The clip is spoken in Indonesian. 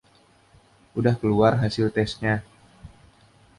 udah keluar hasil testnya?